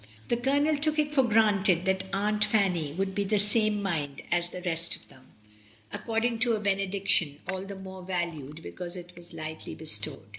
The Colonel took it for granted that Aunt Fanny would be of the same mind as the rest of them, according a benediction all the more valued because it was not lightly bestowed.